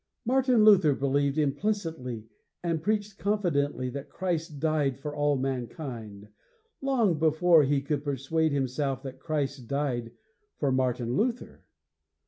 Martin Luther believed implicitly and preached confidently that Christ died for all mankind, long before he could persuade himself that Christ died for Martin Luther.